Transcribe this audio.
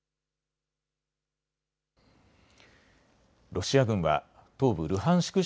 ロシア軍は東部ルハンシク